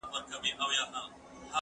زه هره ورځ زدکړه کوم؟